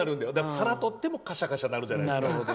皿をとってもカシャカシャ鳴るじゃないですか。